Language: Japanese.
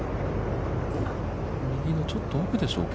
右のちょっと奥でしょうか。